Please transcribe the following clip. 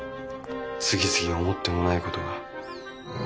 次々思ってもないことが。